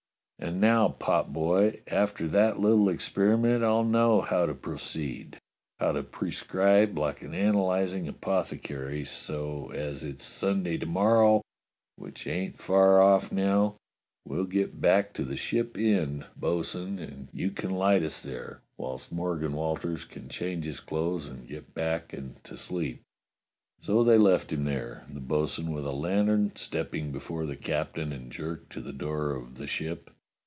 "And now, potboy, after that little experiment I'll know how to proceed, how to prescribe like an analyzing apothe cary, so, as it's Sunday to morrow, which ain't far oflF THE CAPTAIN'S EXPERIMENT 243 now, we'll get back to the Ship Inn, bo'sun, and you can light us there, whilst Morgan Walters can change his clothes and get back and to sleep." So they left him there, the bo'sun with a lantern step ping before the captain and Jerk to the door of the Ship.